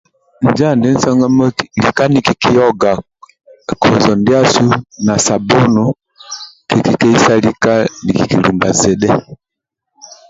Njo adisonga ka kozo ndiasu na sabunu kikeisa ka kozo diasu